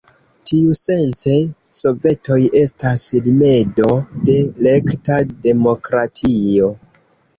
Tiusence sovetoj estas rimedo de rekta demokratio.